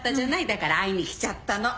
だから会いに来ちゃったの。